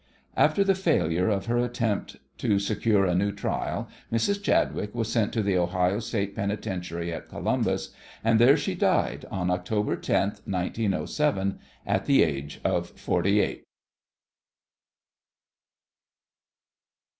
After the failure of her attempt to secure a new trial Mrs. Chadwick was sent to the Ohio State Penitentiary at Columbus, and there she died on Oct. 10th, 1907, at the age of forty eight.